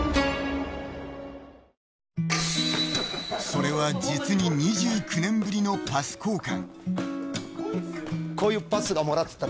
それは、実に２９年ぶりのパス交換。